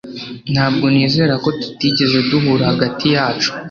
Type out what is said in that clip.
Ntabwo nizera ko tutigeze duhura hagati yacu